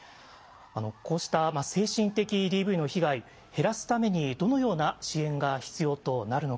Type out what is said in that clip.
こうした精神的ＤＶの被害減らすためにどのような支援が必要となるのか。